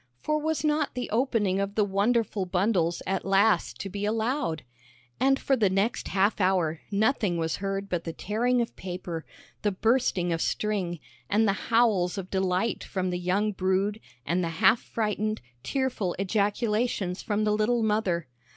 For was not the opening of the wonderful bundles at last to be allowed! And for the next half hour nothing was heard but the tearing of paper, the bursting of string, and the howls of delight from the young brood and the half frightened, tearful ejaculations from the little mother.